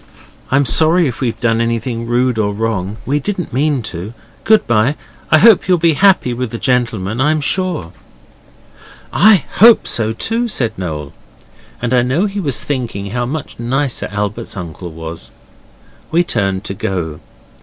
'I'm sorry if we've done anything rude or wrong. We didn't mean to. Good bye. I hope you'll be happy with the gentleman, I'm sure.' 'I HOPE so too,' said Noel, and I know he was thinking how much nicer Albert's uncle was. We turned to go.